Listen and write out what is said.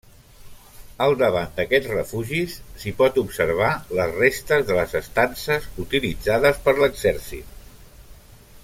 Al davant d'aquests refugis s'hi pot observar les restes de les estances utilitzades per l'exèrcit.